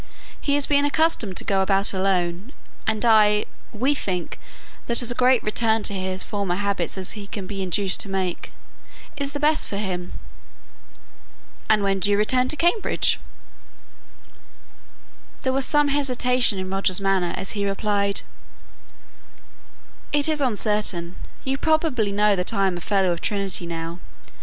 He has been accustomed to go about alone, and I we think that as great a return to his former habits as he can be induced to make is the best for him." "And when do you return to Cambridge?" There was some hesitation in Roger's manner as he replied, "It is uncertain. You probably know that I am a Fellow of Trinity now.